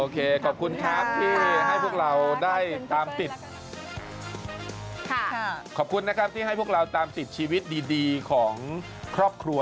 ขอขอบคุณนะครับที่ให้พวกเราตามติดชีวิตดีของครอบครัว